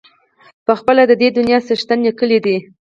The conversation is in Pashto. پخپله د دې دنیا څښتن لیکلی دی.